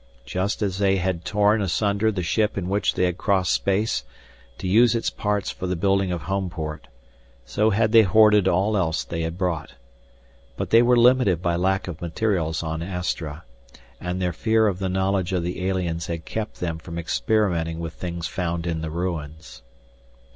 Just as they had torn asunder the ship in which they had crossed space, to use its parts for the building of Homeport, so had they hoarded all else they had brought. But they were limited by lack of materials on Astra, and their fear of the knowledge of the aliens had kept them from experimenting with things found in the ruins.